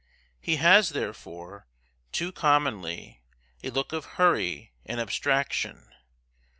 He has, therefore, too commonly, a look of hurry and abstraction.